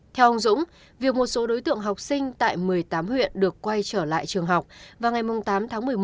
theo ông dũng việc một số đối tượng học sinh tại một mươi tám huyện được quay trở lại trường học vào ngày tám tháng một mươi một